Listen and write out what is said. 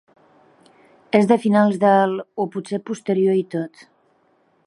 És de finals del o potser posterior i tot.